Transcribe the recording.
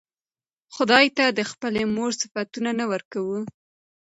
خداى ته د خپلې مور صفتونه نه ورکوو